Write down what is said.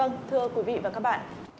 vâng thưa quý vị và các bạn